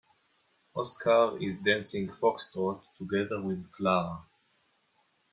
Oscar is dancing foxtrot together with Clara.